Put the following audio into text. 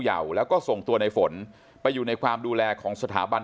แล้วก็ส่งตัวในฝนไปอยู่ในความดูแลของสถาบัน